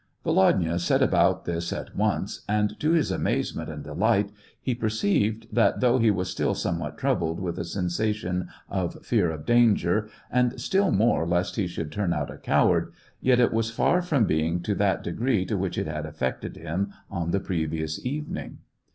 Volodya set about this at once, and, to his amazement and delight, he perceived that, though he was still somewhat troubled with a sensation of fear of danger, and still more lest he should turn out a coward, yet it was far from being to that degree to which it had affected him on the pre ceding evening.